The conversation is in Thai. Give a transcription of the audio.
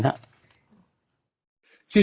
สง่ายดีนะครับ